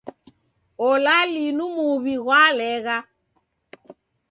Ola linu muw'I ghwalegha!